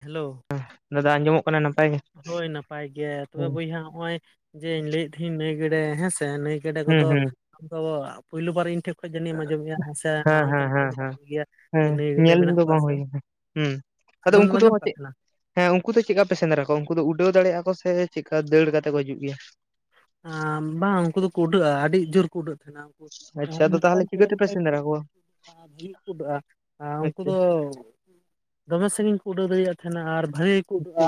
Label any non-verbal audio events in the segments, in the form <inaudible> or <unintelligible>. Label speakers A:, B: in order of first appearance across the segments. A: Hello
B: ᱦᱮᱸ ᱱᱚᱣᱟ ᱫᱚ ᱟᱸᱧᱢᱚᱢᱚᱜ ᱠᱟᱱᱟ ᱱᱟᱯᱟᱭ ᱜᱮ?
A: ᱦᱳᱭ ᱱᱟᱯᱟᱭ ᱜᱮ ᱛᱚᱵᱮ
B: ᱦᱩᱸ
A: ᱵᱚᱭᱦᱟ ᱦᱚᱸᱜᱼᱚᱭ ᱡᱮᱧ ᱞᱟᱹᱭᱮᱫ ᱛᱟᱦᱮᱸᱧ ᱱᱟᱹᱭ ᱜᱮᱰᱮ ᱦᱮᱸᱥᱮ ᱱᱟᱹᱭᱼᱼ ᱜᱮᱰᱮ
B: ᱦᱩᱸ
A: ᱠᱚᱫᱚ
B: ᱦᱩᱸ
A: ᱟᱢᱫᱚ ᱯᱳᱭᱞᱳ ᱵᱟᱨ ᱤᱧ ᱴᱷᱮᱜ ᱠᱷᱚᱡ ᱡᱟᱹᱱᱤᱜ ᱮᱢ ᱟᱸᱡᱚᱢᱮᱜᱼᱟ ᱦᱮᱸ ᱥᱮ ᱢᱟᱲᱟᱝ
B: ᱦᱮᱸ
A: ᱛᱮᱢ
B: ᱦᱮᱸ
A: ᱟᱸᱡᱚᱢ ᱟᱠᱟᱫ
B: ᱦᱮᱸ
A: ᱜᱮᱭᱟ?
B: ᱦᱮᱸ
A: ᱱᱟᱹᱭ ᱜᱮᱰᱮ
B: ᱧᱮᱞ
A: ᱢᱮᱱᱟᱜ
B: ᱫᱚ
A: ᱠᱚᱣᱟ
B: ᱵᱟᱝ
A: ᱥᱮ
B: ᱦᱩᱭ ᱠᱟᱱᱟ ᱦᱩᱸ ᱟᱫᱚ
A: ᱟᱸᱡᱚᱢ ᱫᱚᱢ
B: ᱩᱱᱠᱩ ᱫᱚ
A: ᱟᱸᱡᱚᱢ ᱠᱟᱜ
B: ᱪᱮᱫ
A: ᱛᱟᱦᱮᱸᱱᱟ?
B: ᱦᱮᱸ ᱩᱱᱠᱩ ᱫᱚ ᱪᱮᱫᱠᱟ ᱯᱮ ᱥᱮᱸᱫᱽᱨᱟ ᱠᱚᱣᱟ ᱩᱱᱠᱩ ᱫᱚ ᱩᱰᱟᱹᱣ ᱫᱟᱲᱮᱭᱟᱜᱼᱟ ᱠᱚ ᱥᱮ ᱪᱮᱜᱠᱟ ᱫᱟᱹᱲ ᱠᱟᱛᱮ ᱠᱚ ᱦᱤᱡᱩᱜ ᱜᱮᱭᱟ?
A: ᱟᱸ ᱵᱟᱝ ᱩᱱᱠᱩ ᱫᱚᱠᱚ ᱩᱰᱟᱹᱜᱼᱟ, ᱟᱹᱰᱤ ᱡᱳᱨ ᱠᱚ ᱩᱰᱟᱹᱜ ᱛᱟᱦᱮᱸᱱᱟ᱾
B: ᱟᱪᱪᱷᱟ, ᱟᱫᱚ ᱛᱟᱦᱚᱞᱮ ᱪᱤᱠᱟᱹ ᱛᱮᱯᱮ ᱥᱮᱸᱫᱨᱟ ᱠᱚᱣᱟ?
A: <unintelligible> ᱠᱚ ᱩᱰᱟᱹᱜᱼᱟ ᱟᱨ ᱩᱱᱠᱩ
B: ᱟᱪᱪᱷᱟ
A: ᱫᱚᱼᱼ ᱫᱚᱢᱮ ᱥᱟᱺᱜᱤᱧ ᱠᱚ ᱩᱰᱟᱹᱣ ᱫᱟᱲᱮᱭᱟᱜ ᱛᱟᱦᱮᱱᱟ ᱟᱨ ᱵᱷᱟᱹᱜᱤ ᱜᱮᱠᱚ ᱩᱰᱟᱹᱜᱼᱟ᱾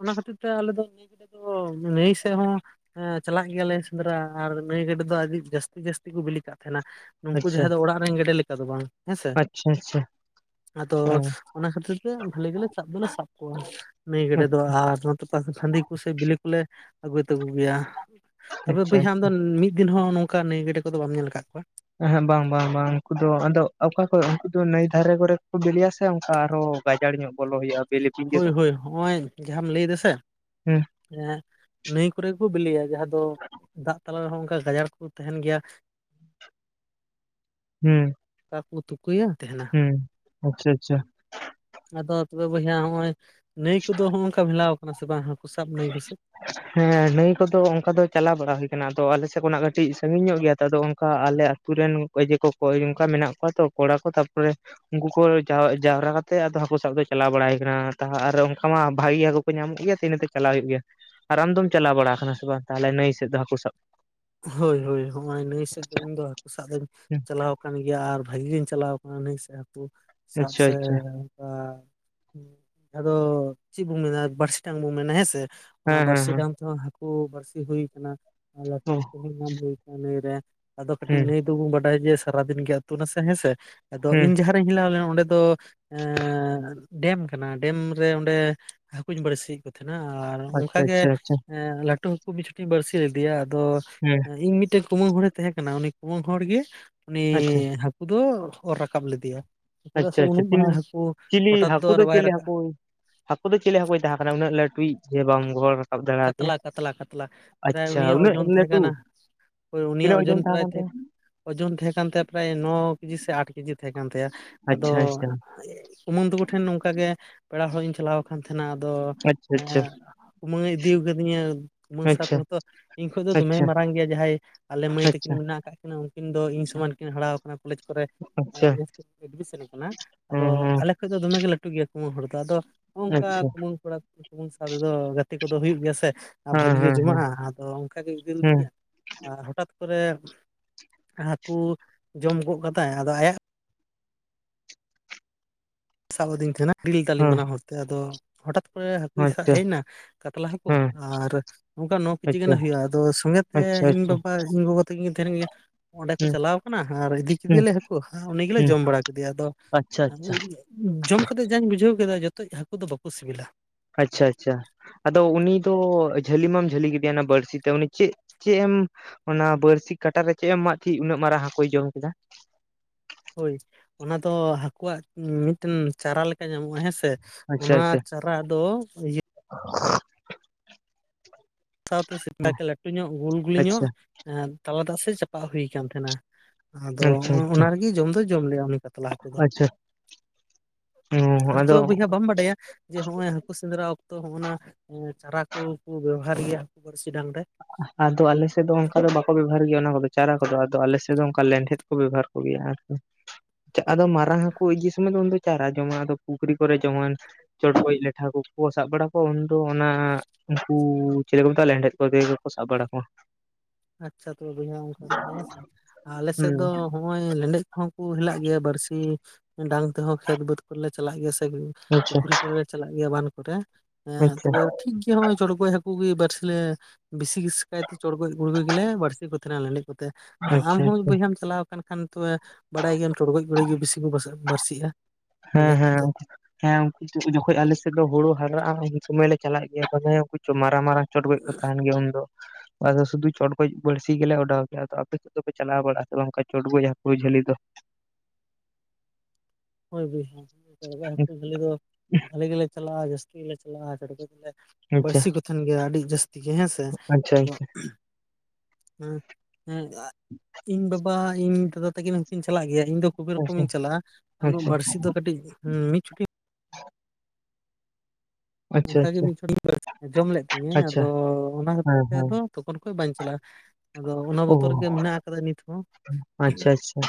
A: ᱚᱱᱟ ᱠᱷᱟᱹᱛᱤᱨ ᱛᱮ ᱟᱞᱮ ᱫᱚ ᱞᱟᱹᱭ ᱠᱮᱫᱟ ᱠᱚ ᱞᱟᱹᱭ ᱱᱮᱥ ᱦᱚᱸ ᱦᱮᱸ ᱪᱟᱞᱟᱜ ᱜᱮᱭᱟᱞᱮ ᱥᱮᱸᱫᱽᱨᱟ ᱟᱨ ᱱᱟᱹᱭ ᱜᱮᱰᱮ ᱫᱚ ᱟᱹᱰᱤ ᱡᱟᱹᱥᱛᱤ ᱡᱟᱹᱥᱛᱤ ᱠᱚ ᱵᱤᱞᱤ ᱠᱟᱜ ᱛᱟᱦᱮᱸᱱᱟ᱾ ᱱᱩᱠᱩ
B: ᱟᱪᱪᱷᱟ
A: ᱡᱟᱦᱟᱸᱭ ᱫᱚ ᱚᱲᱟᱜ ᱨᱮᱱ ᱜᱮᱰᱮ ᱞᱮᱠᱟ ᱫᱚ ᱵᱟᱝ? ᱦᱮᱸᱥᱮ
B: ᱟᱪᱪᱷᱟ ᱟᱪᱪᱷᱟ᱾
A: ᱟᱫᱚ
B: ᱚ
A: ᱚᱱᱟ ᱠᱷᱟᱹᱛᱤᱨ ᱛᱮ ᱵᱷᱟᱞᱮ ᱜᱮᱞᱮ ᱥᱟᱵ ᱫᱚᱞᱮ ᱥᱟᱵ ᱠᱚᱣᱟ ᱱᱟᱹᱭ ᱜᱰᱮᱫ
B: ᱟᱪᱪᱷᱟ
A: ᱫᱚ ᱟᱨ ᱱᱚᱛᱮ ᱯᱟᱥ ᱦᱟᱹᱰᱤ ᱠᱚᱥᱮ ᱵᱤᱞᱤ ᱠᱚᱞᱮ ᱟᱹᱜᱩᱭ ᱛᱟᱠᱚ ᱜᱮᱭᱟ᱾ ᱛᱚᱵᱮ
B: ᱟᱪᱪᱷᱟ
A: ᱵᱚᱭᱦᱟ ᱟᱢ ᱫᱚ ᱢᱤᱫ ᱫᱤᱱ ᱦᱚᱸ ᱱᱚᱝᱠᱟ ᱱᱟᱹᱭ ᱜᱟᱹᱰᱮ ᱠᱚᱫᱚ ᱵᱟᱢ ᱧᱮᱞ ᱟᱠᱟᱫ ᱠᱚᱣᱟ᱾
B: ᱮᱦᱮᱸᱜ ᱵᱟᱝ ᱵᱟᱝ ᱵᱟᱝ ᱩᱱᱠᱩ ᱫᱚ ᱟᱫᱚ ᱚᱠᱟ ᱩᱱᱠᱩ ᱫᱚ ᱱᱟᱹᱭ ᱫᱷᱟᱨᱮ ᱠᱚᱨᱮ ᱠᱚ ᱵᱞᱮᱤᱭᱟ ᱥᱮ ᱚᱱᱠᱟ ᱟᱨᱦᱚᱸᱼᱼ ᱜᱟᱡᱟᱲ ᱧᱚᱜ ᱵᱚᱞᱚ ᱦᱩᱭᱩᱜᱼᱟ᱾ ᱵᱮᱞᱮ ᱯᱤᱸᱰᱟᱹ
A: ᱦᱳᱭ
B: ᱫᱚ?
A: ᱦᱳᱭ ᱦᱚᱜᱼᱚᱭ ᱡᱟᱦᱟᱸᱟᱢ ᱞᱟᱹᱭ ᱫᱟᱥᱮ᱾
B: ᱦᱩᱸ
A: ᱮᱸ ᱱᱟᱹᱭ ᱠᱚᱨᱮ ᱜᱮᱠᱚ ᱵᱤᱞᱤᱭᱟ ᱡᱟᱦᱟᱸ ᱫᱚ ᱫᱟᱜ ᱛᱟᱞᱟ ᱨᱮᱦᱚᱸ ᱚᱱᱠᱟ ᱜᱟᱡᱟᱲ ᱠᱚ ᱛᱟᱦᱮᱱ ᱜᱮᱭᱟ ᱾
B: ᱦᱩ
A: ᱚᱠᱟ ᱠᱚ ᱛᱩᱠᱟᱹᱭᱟ ᱛᱟᱦᱮᱱᱟ
B: ᱟᱪᱪᱷᱟ ᱟᱪᱪᱷᱟ
A: ᱾ ᱟᱫᱚ ᱛᱚᱵᱮ ᱵᱚᱭᱦᱟ ᱦᱚᱸᱜᱼᱚᱭ ᱱᱟᱹᱭ ᱠᱚᱫᱚ ᱦᱚᱸᱜᱼᱝᱠᱟ ᱦᱮᱞᱟᱣ᱾ ᱚᱱᱟ ᱥᱮ ᱵᱟᱝ ᱦᱟᱹᱠᱩ ᱥᱟᱵ ᱱᱟ ᱠᱚ ᱥᱮ ᱾
B: ᱦᱮᱸ ᱱᱟᱹᱭ ᱠᱚᱫᱚ ᱚᱱᱠᱟ ᱫᱚ ᱪᱟᱞᱟᱣ ᱵᱟᱲᱟ ᱦᱮᱸ ᱱᱟᱹᱭ ᱠᱚᱫ ᱚᱱᱠᱟ ᱫᱚ ᱪᱟᱞᱟ ᱵᱟᱲᱟ ᱦᱩᱭ ᱠᱟᱱᱟ ᱟᱫᱚ ᱟᱞᱮ ᱥᱮᱫ ᱠᱷᱚᱱᱟᱜ ᱠᱟᱹᱴᱤᱡ ᱥᱟᱺᱜᱤᱧ ᱧᱚᱜ ᱜᱮᱭᱟ ᱛ ᱟᱫᱚ ᱚᱱᱠᱟ ᱟᱫ ᱚᱱᱠᱟ ᱟᱞᱮᱼᱼ ᱟᱛᱩᱨᱮᱱ ᱨᱮᱱ ᱠᱟᱹᱭᱡᱟᱹ ᱠᱚ ᱠᱚ ᱚᱱᱠᱟ ᱢᱮᱱᱟᱜ ᱠᱚᱣᱟ ᱛᱚ ᱠᱚᱲᱟ ᱠᱚ ᱛᱟᱨᱯᱚᱨᱮ ᱼᱼ ᱩᱱᱠᱩ ᱠᱚ ᱡᱟᱣ ᱡᱟᱣᱨᱟ ᱠᱟᱛᱮᱫ ᱦᱟᱹᱠᱩ ᱥᱟᱵ ᱫᱚ ᱪᱟᱞᱟᱣ ᱵᱟᱲᱟᱭ ᱠᱟᱱᱟ ᱟᱨ ᱚᱱᱠᱟ ᱢᱟ ᱵᱷᱟᱜᱤ ᱜᱮᱭᱟ ᱠᱚ ᱾ ᱧᱟᱢᱚᱜ ᱜᱮᱭᱟ ᱤᱱᱟᱹᱛᱮ ᱪᱟᱞᱟᱣ ᱦᱩᱭᱩᱜ ᱩᱱᱠᱩ ᱠᱚ ᱧᱟᱢ ᱜᱮᱭᱟ ᱤᱱᱟᱹ ᱛᱮ ᱪᱟᱞᱟᱜ ᱦᱩᱭᱩᱜ ᱜᱮᱣᱟ ᱟᱨ ᱟᱢᱫᱢ ᱪᱟᱞᱟᱣ ᱵᱟᱲᱟ ᱟᱠᱟᱱᱟᱟᱱᱟ ᱥᱮ ᱵᱟᱝ ᱛᱟᱦᱚᱞᱮ ᱱᱟᱹᱭ ᱥᱮᱫ ᱾ ᱫᱚ ᱦᱟᱹᱠᱩ ᱥᱟᱵ?
A: ᱦᱳᱭ ᱦᱳᱭ ᱦᱚᱸᱜᱼᱚᱭ ᱱᱟᱹᱭ ᱥᱮᱫ ᱫᱚ ᱤᱧ ᱫᱚ ᱦᱟᱹᱠᱩ ᱥᱟᱵ ᱟᱹᱧ ᱪᱟᱞᱟᱣ ᱟᱠᱟᱱ ᱜᱮᱭᱟ ᱟᱨ ᱵᱷᱟᱹᱜᱤ ᱜᱤᱧ ᱪᱟᱞᱟᱣ ᱠᱟᱱᱟ ᱱᱟᱹᱭ ᱥᱮᱫ ᱦᱟᱹᱠᱩ ᱥᱟᱵ
B: ᱟᱪᱪᱷᱟ
A: ᱥᱮ
B: ᱟᱪᱪᱷᱟ
A: ᱟᱫᱚ ᱪᱮᱫ ᱵᱚᱱ ᱢᱮᱱᱟ ᱵᱟᱨᱥᱤ ᱴᱟᱝ ᱵᱚᱱ ᱢᱮᱱᱟ ᱦᱮᱸ ᱥᱮ, ᱚᱱᱟ
B: ᱦᱮᱸ ᱦᱮᱸ
A: ᱵᱟᱹᱲᱥᱤ
B: ᱦᱮᱸ
A: ᱰᱟᱝ ᱛᱮᱦᱚᱸ ᱦᱟᱠᱩ ᱵᱟᱹᱲᱥᱤ ᱦᱚᱭ ᱟᱠᱟᱱᱟ ᱞᱟᱹᱴᱩ ᱧᱟᱢ ᱦᱩᱭ ᱟᱠᱟᱱᱟ ᱱᱟᱹᱭᱨᱮ <unintelligible> ᱧᱮᱞᱧᱟᱢ ᱦᱩᱭ ᱠᱟᱱᱟ ᱱᱟᱹᱭᱨᱮ ᱟᱫᱚ ᱠᱟᱹᱴᱤᱡ
B: ᱦᱩᱸ
A: ᱱᱟᱹᱭ ᱫᱚᱵᱚᱱ ᱵᱟᱰᱟᱭᱟ ᱡᱮ ᱥᱟᱨᱟᱫᱤᱱ ᱜᱮ ᱟᱹᱛᱩ ᱱᱟᱥᱮ ᱦᱮᱸ ᱥᱮ। ᱟᱫᱚ
B: ᱦᱩᱸ
A: ᱤᱧ ᱡᱟᱦᱟᱸ <unintelligible> ᱪᱟᱞᱟᱣ ᱞᱮᱱᱟ ᱚᱸᱰᱮ ᱫᱚ ᱰᱮᱢ ᱠᱟᱱᱟ, ᱰᱮᱢ ᱨᱮ ᱚᱸᱰᱮᱠᱩ ᱦᱟᱹᱠᱩᱧ ᱵᱟᱹᱲᱥᱤᱭᱮᱫ ᱠᱚ ᱛᱟᱦᱮᱸᱱᱟ ᱟᱨ ᱚᱱᱠᱟ
B: ᱟᱪᱪᱷᱟ
A: ᱜᱮᱸ
B: ᱟᱪᱪᱷᱟ ᱟᱪᱪᱷᱟ
A: ᱞᱟᱹᱴᱩ ᱦᱟᱹᱠᱩ ᱢᱤᱫ ᱪᱷᱚᱴᱤᱧ ᱵᱟᱹᱲᱥᱤ ᱞᱮᱫᱮᱭᱟ, ᱟᱫᱚ
B: ᱦᱩᱸ
A: ᱤᱧ ᱢᱤᱫᱴᱮᱡ ᱠᱩᱢᱟᱹᱝ ᱦᱚᱲᱮ ᱛᱟᱦᱮᱸ ᱠᱟᱱᱟ ᱩᱱᱤ ᱠᱩᱢᱟᱹᱝ ᱦᱚᱲ ᱜᱮ ᱩᱱᱤ
B: ᱟᱪᱪᱷᱟ
A: ᱦᱟᱹᱠ ᱦᱟᱹᱠᱩ ᱫᱚ ᱚᱨ ᱨᱟᱠᱟᱵ ᱞᱮᱫᱮᱭᱟ। ᱪᱮᱫᱟᱜ ᱥᱮ
B: ᱟᱪᱪᱷᱟ ᱟᱪᱪᱷᱟ
A: ᱩᱱᱟᱹᱜ ᱢᱟᱨᱟᱝ
B: ᱛᱤᱱᱟᱹᱜ
A: ᱦᱟᱹᱠᱩ
B: ᱪᱤᱞᱤ
A: ᱦᱚᱴᱟᱛ
B: ᱦᱟᱹᱠᱩ
A: ᱟᱨ
B: ᱫᱚ
A: ᱵᱟᱭ
B: ᱪᱤᱞᱤ
A: ᱨᱟᱠᱟᱵ
B: ᱦᱟᱹᱠᱩ? ᱦᱟᱹᱠᱩ ᱫᱚ ᱪᱮᱞᱮ ᱦᱟᱹᱠᱚᱭ ᱛᱟᱦᱮᱸ ᱠᱟᱱᱟ ᱩᱱᱟᱹᱜ ᱞᱟᱹᱴᱩᱭᱤᱡ ᱡᱮ ᱵᱟᱢ ᱵᱚᱦᱚᱜ
A: ᱠᱟᱛᱞᱟ ᱠᱟᱛᱞᱟ ᱠᱟᱛᱞᱟ ᱯᱮᱨᱟᱭ ᱩᱱᱤᱭᱟᱜ
B: ᱩᱱᱟᱹᱜ
A: ᱳᱡᱚᱱ ᱛᱟᱦᱮᱸ
B: ᱞᱟᱹᱴᱩ
A: ᱠᱟᱱᱟ ᱦᱚᱭ ᱩᱱᱤᱭᱟᱜ
B: ᱛᱤᱱᱟᱹᱜ
A: ᱳᱡᱚᱱ ᱯᱮᱨᱟᱭ
B: ᱛᱟᱦᱮᱸ
A: ᱛᱟᱦᱮ
B: ᱠᱟᱱ
A: ᱳᱡᱳᱚᱱ ᱛᱟᱦᱮᱸ ᱠᱟᱱ ᱛᱟᱭᱟ ᱯᱮᱨᱟᱭ ᱱᱚ ᱠᱮᱡᱤ ᱥᱮ ᱟᱴ ᱠᱮᱡᱤ ᱛᱟᱦᱮᱸ ᱠᱟᱱ ᱛᱟᱭᱟ, ᱟᱫᱚ
B: ᱛᱟᱭᱟ ᱟᱪᱪᱷᱟ ᱟᱪᱪᱷᱟ
A: ᱠᱩᱢᱟᱹᱝ ᱛᱟᱠᱚ ᱴᱷᱮᱱ ᱱᱚᱝᱠᱟ ᱜᱮ ᱯᱮᱲᱟ ᱦᱚᱲ ᱤᱧ ᱪᱟᱞᱟᱣ ᱟᱠᱟᱱ ᱛᱟᱦᱮᱸᱱᱟ ᱟᱫᱚ
B: ᱟᱪᱪᱷᱟ
A: <inaudible> ᱤᱫᱤ ᱠᱟᱹᱫᱤᱧᱟ ᱠᱩᱢᱟᱹᱝ ᱥᱟᱣ
B: ᱟᱪᱪᱷᱟ
A: ᱛᱮᱜᱮ ᱛᱚ ᱤᱧ ᱠᱷᱚᱡ ᱫᱚᱢᱮ
B: ᱟᱪᱪᱷᱟ
A: ᱢᱟᱨᱟᱝ ᱜᱮᱭᱟ ᱡᱟᱦᱟᱸᱭ ᱟᱞᱮ ᱢᱟᱹᱭ ᱛᱟᱹᱠᱤᱱ
B: ᱟᱪᱪᱷᱟ ᱟᱪᱪᱷᱟ
A: ᱢᱮᱱᱟᱜ ᱟᱠᱟᱫ ᱠᱤᱱᱟ ᱚᱱᱮ ᱩᱱᱠᱤᱱ ᱫᱚ ᱤᱧ ᱥᱚᱢᱟᱱ ᱠᱤᱱ ᱦᱟᱲᱟᱟᱣ ᱟᱠᱟᱱᱟ ᱠᱚᱞᱮᱡᱽ ᱠᱚᱨᱮ
B: ᱟᱪᱪᱷᱟ
A: ᱱᱮᱥ ᱠᱤᱱ ᱮᱰᱢᱤᱥᱚᱱ ᱠᱟᱱᱟ ᱟᱫᱚ
B: ᱦᱮᱸ ᱦᱮᱸ
A: ᱟᱞᱮ ᱠᱷᱚᱡ ᱫᱚᱢᱮᱜᱮ ᱞᱟᱹᱴᱩᱜ ᱜᱮᱭᱟ ᱠᱩᱢᱟᱹᱝ ᱦᱚᱲ ᱫᱚ ᱟᱫᱚ ᱱᱚᱜ ᱱᱚᱝᱠᱟ
B: ᱟᱪᱪᱷᱟ
A: ᱠᱩᱢᱟᱹᱝ ᱠᱚᱲᱟ ᱠᱩᱢᱟᱹᱝ ᱥᱟᱶ ᱛᱮᱫᱚ ᱜᱟᱛᱮ ᱠᱚᱫᱚ ᱦᱩᱭᱩᱜ ᱜᱮᱭᱟ ᱥᱮ। ᱟᱨ
B: ᱦᱮᱸ
A: ᱵᱷᱟᱹᱜᱤ ᱜᱮ
B: ᱦᱮᱸ ᱦᱮᱸ
A: ᱡᱚᱢᱟᱜᱼᱟ ᱟᱫᱚ ᱚᱱᱠᱟᱜᱮ ᱤᱫᱤ
B: ᱦᱮᱸ
A: ᱞᱤᱫᱤᱧᱟ। ᱟᱨ ᱦᱚᱴᱟᱛ ᱠᱚᱨᱮ ᱦᱟᱹᱠᱩ ᱡᱚᱢ ᱜᱚᱜ ᱠᱟᱫᱟᱭ ᱟᱫᱚ ᱟᱭᱟᱜ ᱥᱟᱵ ᱟᱹᱫᱤᱧ ᱛᱟᱦᱮᱱᱟ ᱤᱫᱤ ᱞᱮᱫᱟᱞᱤᱧ
B: ᱦᱮᱸ
A: ᱵᱟᱱᱟ ᱦᱚᱨᱛᱮ ᱟᱫᱚ ᱦᱚᱴᱟᱛ ᱠᱚᱨᱮ ᱦᱟᱹᱠᱩᱭ ᱥᱟᱵ
B: ᱟᱪᱪᱷᱟ
A: ᱦᱮᱡ ᱮᱱᱟ ᱠᱟᱛᱞᱟ ᱦᱟᱹᱠᱩ
B: ᱦᱮᱸ
A: ᱟᱨ ᱱᱚᱝᱠᱟ ᱱᱚ ᱠᱮᱡᱤ ᱜᱟᱱ
B: ᱟᱪᱪᱷᱟ
A: ᱦᱩᱭᱩᱜᱼᱟ ᱟᱫᱚ ᱥᱚᱸᱜᱮᱛᱮ
B: ᱟᱪᱪᱷᱟ
A: ᱤᱧ
B: ᱟᱪᱪᱷᱟ
A: ᱵᱟᱵᱟ ᱤᱧ ᱜᱚᱜᱚ ᱛᱤᱠᱤᱱ ᱛᱟᱦᱮᱱ ᱜᱮᱭᱟ ᱚᱸᱰᱮ ᱠᱚ
B: ᱦᱩᱸ
A: ᱪᱟᱞᱟᱣ ᱠᱟᱱᱟ ᱟᱨ ᱤᱫᱤ
B: ᱦᱩᱸ
A: ᱠᱮᱫᱮᱭᱟᱞᱮ ᱦᱟᱹᱠᱩ ᱩᱱᱤ ᱜᱮᱞᱮ
B: ᱦᱩᱸ
A: ᱡᱚᱢ ᱵᱟᱲᱟ ᱠᱮᱫᱮᱭᱟ, ᱟᱫᱚ
B: ᱟᱪᱪᱷᱟ ᱟᱪᱪᱷᱟ
A: ᱡᱚᱢ ᱠᱟᱛᱮᱫ ᱡᱟᱧ ᱵᱩᱡᱷᱟᱹᱣ ᱠᱮᱫᱟ ᱡᱚᱛᱚ ᱦᱟᱹᱠᱩ ᱫᱚ ᱵᱟᱠᱚ ᱥᱤᱵᱤᱞᱟ।
B: ᱟᱪᱪᱷᱟ ᱟᱪᱪᱷᱟ। ᱟᱫᱚ ᱩᱱᱤ ᱫᱚ ᱡᱷᱟᱹᱞᱤ ᱢᱟᱢ ᱡᱷᱟᱹᱞᱤ ᱠᱮᱫᱮᱭᱟ ᱚᱱᱟ ᱵᱟᱹᱲᱥᱤ ᱛᱮ ᱩᱱᱤ ᱪᱮᱫ ᱪᱮᱫ ᱮᱢ ᱚᱱᱟ ᱵᱟᱨᱥᱤ ᱠᱟᱴᱟ ᱨᱮ ᱪᱮᱫ ᱮᱢᱟᱜ ᱛᱟᱦᱤᱡ ᱩᱱᱟᱹᱜ ᱢᱟᱨᱟᱝ ᱦᱟᱹᱠᱩᱭ ᱡᱚᱢ ᱠᱮᱫᱟ?
A: ᱦᱳᱭ ᱚᱱᱟ ᱫᱚ ᱦᱟᱹᱠᱩᱣᱟᱜ ᱢᱤᱫᱴᱮᱱ ᱪᱟᱨᱟ ᱞᱮᱠᱟ ᱧᱟᱢᱚᱜᱼᱟ ᱦᱮᱸ ᱥᱮ,
B: ᱟᱪᱪᱷᱟ
A: ᱚᱱᱟ
B: ᱟᱪᱪᱷᱟ
A: ᱪᱟᱨᱟ ᱫᱚ
B: <unintelligible>
A: ᱥᱟᱶᱛᱮ ᱥᱮ ᱞᱟᱹᱴᱩ ᱧᱚᱜ ᱜᱩᱞ ᱜᱩᱞᱤ ᱧᱚᱜ
B: ᱟᱪᱪᱷᱟ
A: ᱮ ᱛᱟᱞᱟ ᱫᱟᱜ ᱥᱮᱫ ᱪᱟᱯᱟ ᱦᱩᱭ ᱠᱟᱱᱟ ᱛᱟᱦᱮᱱᱟ ᱾ ᱟᱫᱚ
B: ᱟᱪᱪᱷᱟ
A: ᱚᱱᱟ ᱨᱮᱜᱮ ᱡᱚᱢ ᱫᱚᱭ ᱡᱚᱢ ᱞᱮᱭᱟ ᱩᱱᱤ ᱠᱟᱛᱞᱟ ᱦᱟᱹᱠᱩ ᱫᱚ।
B: ᱟᱪᱪᱷᱟ ᱟᱪᱪᱷᱟ
A: ᱟᱫᱚ ᱛᱚᱵᱮ ᱵᱚᱭᱦᱟ ᱵᱟᱢ ᱵᱟᱰᱟᱭᱟ ᱡᱮ ᱦᱚᱜ ᱚᱭ ᱦᱟᱠᱩ ᱥᱮᱸᱫᱽᱨᱟ ᱚᱠᱛᱚ ᱦᱚᱸ-ᱱᱟ ᱪᱟᱨᱟ ᱠᱚᱠᱚ ᱵᱮᱵᱚᱦᱟᱨ ᱜᱮᱭᱟ ᱦᱠᱩ ᱵᱟᱹᱲᱥᱤ ᱰᱟᱝ ᱨᱮ?
B: ᱟᱫᱚ ᱟᱞᱮ ᱥᱮᱫ ᱫᱚ ᱚᱱᱠᱟ ᱫᱚ ᱵᱟᱠᱚ ᱵᱮᱵᱚᱦᱟᱨ ᱜᱮᱭᱟ ᱚᱱᱟ ᱠᱚᱫᱚ ᱪᱟᱨᱟ ᱠᱚᱫᱚ ᱟᱫᱚ ᱟᱞᱮ ᱥᱮᱫ ᱫᱚ ᱚᱱᱠᱟ ᱞᱮᱱᱰᱮᱫ ᱠᱚ ᱵᱮᱵᱚᱦᱟᱨ ᱠᱚᱜᱮᱭᱟ ᱟᱨᱠᱤ। ᱟᱫᱚ ᱢᱟᱨᱟᱝ ᱦᱟᱹᱠᱩ ᱤᱫᱤ ᱥᱚᱢᱚᱭ ᱫᱚ ᱩᱱᱫᱚ ᱪᱟᱨᱟ ᱡᱚᱢᱟ ᱟᱫᱚ ᱯᱩᱠᱷᱨᱤ ᱠᱚᱨᱮ ᱡᱮᱢᱚᱱ ᱪᱚᱲᱜᱚᱡ ᱞᱮᱴᱷᱟ ᱠᱚᱠᱚ ᱥᱟᱵ ᱵᱟᱲᱟ ᱠᱚᱣᱟ ᱩᱱᱫᱚ ᱚᱱᱟ ᱩᱱᱠᱩ ᱪᱤᱞᱮ ᱠᱚ ᱢᱮᱛᱟᱜᱼᱟ ᱞᱮᱱᱰᱮᱫ ᱛᱮᱜᱮ ᱠᱚ ᱥᱟᱵ ᱵᱟᱲᱟ ᱠᱚᱣᱟ।
A: ᱟᱪᱪᱷᱟ ᱛᱚᱵᱮ ᱵᱚᱭᱦᱟ ᱚᱱᱠᱟ ᱠᱟᱛᱟᱭ ᱦᱮᱸ ᱥᱮ ᱟᱞᱮ ᱥᱮᱫ ᱫᱚ
B: ᱦᱩᱸ
A: ᱦᱚᱸᱜᱼᱚᱭ ᱞᱮᱸᱰᱮᱫ। ᱦᱚᱸᱠᱚ ᱦᱮᱞᱟᱜ ᱜᱮᱭᱟ ᱵᱟᱹᱲᱥᱤ ᱰᱟᱝ ᱛᱮᱦᱚᱸ ᱠᱷᱮᱛ ᱵᱟᱹᱫᱽ ᱠᱚᱨᱮᱞᱮ ᱪᱟᱞᱟᱜ ᱜᱮᱭᱟ ᱥᱮ
B: ᱟᱪᱪᱷᱟ
A: ᱯᱩᱠᱷᱨᱤ ᱞᱮ ᱪᱟᱞᱟᱜ ᱜᱮᱭᱟ ᱵᱟᱱ ᱠᱚᱨᱮᱸ
B: ᱟᱪᱪᱷᱟ
A: ᱛᱚᱵᱮ ᱴᱷᱤᱠ ᱜᱮ ᱦᱚᱜ-ᱚᱭ ᱪᱚᱰᱜᱚᱡ ᱦᱟᱹᱠᱩ ᱜᱮ ᱵᱟᱨᱥᱮ ᱵᱤᱥᱤ ᱠᱟᱭᱛᱮ ᱪᱚᱲᱜᱚᱭ। <unintelligible> <unintelligible> ᱜᱮᱞᱮ ᱵᱟᱹᱲᱥᱤ ᱠᱚ ᱛᱟᱦᱮᱱᱟ ᱞᱮᱸᱰᱮᱡ ᱠᱚᱛᱮ ᱟᱢ
B: ᱟᱪᱪᱷᱟ
A: ᱦᱚᱸ
B: ᱟᱪᱪᱷᱟ
A: ᱵᱚᱭᱦᱟᱢ ᱪᱟᱞᱟᱣ᱾ ᱢᱮᱱᱠᱷᱟᱱ ᱛᱚᱵᱮ ᱵᱟᱲᱟᱭ ᱜᱮᱭᱟᱢ ᱪᱚᱲᱜᱚᱡ ᱜᱚᱲ ᱜᱮ ᱵᱤᱥᱤ ᱠᱚ ᱵᱟᱹᱲᱥᱤᱜ-ᱟ᱾
B: ᱦᱮᱸ ᱦᱮᱸ ᱦᱮᱸ ᱩᱱᱠᱩ ᱡᱚᱠᱷᱚᱡ ᱟᱞᱮᱥᱮᱫ ᱦᱳᱲᱳ ᱦᱟᱨᱟᱜ-ᱟ ᱩᱱ ᱥᱚᱢᱚᱭ ᱞᱮ ᱪᱟᱞᱟᱜ ᱜᱮᱭᱟ ᱛᱟᱦᱚᱞᱮ ᱩᱱᱠᱩ ᱪᱚ ᱢᱟᱨᱟᱝ ᱢᱟᱨᱟᱝ ᱪᱚᱴ ᱜᱚᱡ ᱠᱚ ᱛᱟᱦᱮᱱ ᱜᱮᱭᱟ ᱩᱱᱫᱚ ᱟᱫᱚ ᱥᱩᱫᱷᱩ ᱪᱚᱴᱜᱚᱡ ᱵᱟᱹᱲᱥᱤᱛᱤ ᱜᱮᱞᱮ ᱚᱰᱟᱣ ᱜᱮᱭᱟ ᱟᱫᱚ ᱟᱯᱮ ᱥᱮᱫ ᱫᱚᱯ ᱪᱟᱞᱟᱣ ᱵᱟᱲᱟᱜ ᱥᱮ ᱵᱟᱝᱠᱷ ᱪᱚᱴᱜᱚᱡ ᱦᱟᱹᱠᱩ ᱡᱷᱟᱹᱞᱤ ᱫᱚ?
A: ᱦᱳᱭ ᱵᱚᱭᱦᱟ ᱡᱟᱹᱞᱤ ᱫᱚ ᱵᱷᱟᱹᱞᱤ ᱜᱮᱞᱮ ᱪᱟᱞᱟᱜ-ᱟ ᱡᱟᱹᱥᱛᱤ ᱜᱮᱞᱮ ᱪᱟᱞᱟᱜ-ᱟ ᱜᱮᱞᱮ
B: ᱟᱪᱪᱷᱟ
A: ᱵᱟᱹᱲᱥᱤ ᱠᱚᱛᱷᱮᱱ ᱜᱮ ᱟᱹᱰᱤ ᱡᱟᱹᱥᱛᱤ ᱜᱮ ᱦᱮᱸ ᱥᱮ
B: ᱟᱪᱪᱷᱟ
A: ᱟᱫᱚ ᱦᱮᱸ ᱦᱮᱸ ᱤᱧ ᱵᱟᱵᱟ ᱤᱧ ᱫᱟᱫᱟ ᱛᱟᱹᱠᱤᱱ ᱦᱚᱸᱠᱤᱱ ᱪᱟᱞᱟᱜ ᱜᱮᱭᱟ ᱤᱧ ᱫᱚ
B: ᱟᱪᱪᱷᱟ
A: ᱠᱩᱵᱮᱨᱠᱚᱢᱤᱧ ᱪᱟᱞᱟᱜ-ᱟ ᱩᱱᱟᱹᱜ
B: ᱟᱪᱪᱷᱟ
A: ᱵᱟᱹᱲᱥᱤ ᱫᱚ ᱠᱟᱹᱴᱤᱡ ᱢᱤᱫ ᱪᱷᱩᱴᱤ
B: ᱟᱪᱪᱷᱟ
A: ᱚᱱᱠᱟᱜᱮ
B: ᱟᱪᱪᱷᱟ
A: ᱢᱤᱫ ᱪᱷᱚᱱ ᱡᱚᱢ ᱞᱮᱫ ᱛᱤᱧᱟᱹ
B: ᱟᱪᱪᱷᱟ ᱟᱪᱪᱷᱟ
A: ᱟᱫᱚ ᱚᱱᱟ ᱠᱷᱟᱹᱛᱤᱨ
B: ᱦᱮᱸ
A: ᱛᱮ
B: ᱦᱮᱸ
A: ᱟᱫᱚ ᱛᱚᱠᱷᱚᱱ ᱠᱷᱚᱱ ᱵᱟᱝ ᱪᱟᱞᱟᱜ-ᱟ ᱟᱫᱚ ᱚᱱᱟ
B: ᱚ
A: ᱵᱚᱛᱚᱨ ᱜᱮ ᱢᱮᱱᱟᱜ ᱠᱟᱫᱟ ᱱᱤᱛ ᱦᱚᱸ᱾
B: ᱟᱪᱪᱷᱟ ᱟᱪᱪᱷᱟ